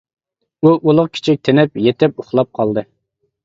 ئۇ ئۇلۇغ-كىچىك تىنىپ، يېتىپ ئۇخلاپ قالدى.